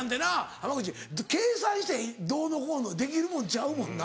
濱口計算してどうのこうのできるもんちゃうもんな。